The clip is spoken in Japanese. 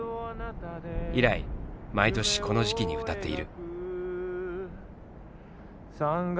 以来毎年この時期に歌っている。